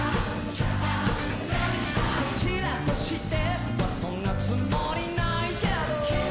「こちらとしてはそんなつもりないけど」